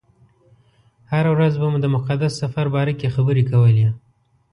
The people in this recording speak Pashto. هره ورځ به مو د مقدس سفر باره کې خبرې کولې.